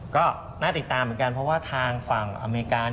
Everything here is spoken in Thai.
ก็น่าติดตามเหมือนกันเพราะว่าทางฝั่งอเมริกา